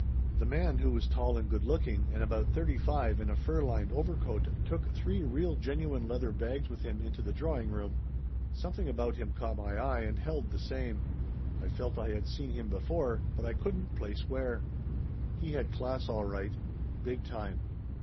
The man, who was tall and good looking and about thirty five in a fur lined overcoat, took three real gen uine leather bags with him into the drawing room. Something about him caught my eye and held the same. I felt I had seen him before, but I couldn't place where. He had class, all right. Big time.